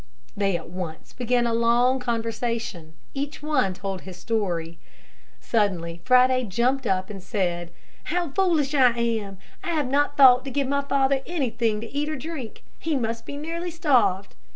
They at once began a long conversation, each one told his story. Suddenly Friday jumped up and said, "How foolish I am, I have not thought to give my father anything to eat and drink. He must be nearly starved."